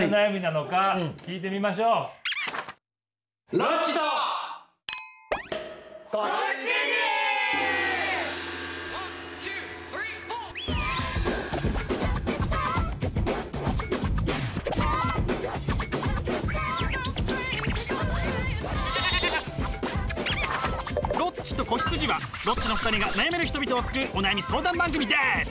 「ロッチと子羊」はロッチの２人が悩める人々を救うお悩み相談番組です！